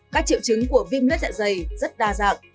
các triệu chứng của viêm lết dạ dày rất đa dạng